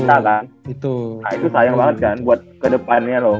nah itu sayang banget kan buat ke depannya loh